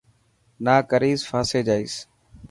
نا ڪريس ڦاسي جائيس.